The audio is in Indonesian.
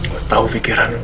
gue tahu pikiran lo